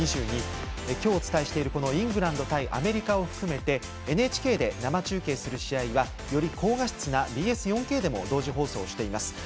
今日お伝えしているイングランド対アメリカを含めＮＨＫで生中継する試合はより高画質なＢＳ４Ｋでも同時放送しています。